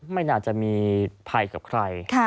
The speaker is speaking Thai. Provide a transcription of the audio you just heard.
ไม่น่าจะมีภัยกับใคร